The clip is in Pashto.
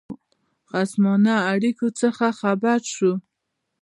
خصمانه اړېکو څخه خبر شو.